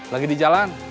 lagi di jalan